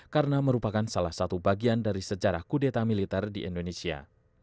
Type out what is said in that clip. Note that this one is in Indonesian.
karena merupakan salah satu bagian dari sejarah kudeta militer di indonesia